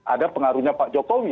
ada pengaruhnya pak jokowi